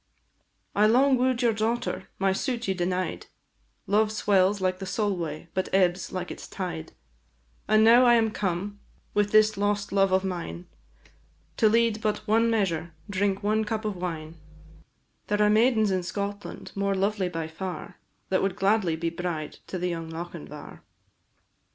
"I long woo'd your daughter, my suit you denied; Love swells like the Solway, but ebbs like its tide And now am I come, with this lost love of mine, To lead but one measure, drink one cup of wine; There are maidens in Scotland more lovely by far, That would gladly be bride to the young Lochinvar."